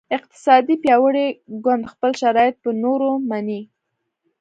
اقتصادي پیاوړی ګوند خپل شرایط په نورو مني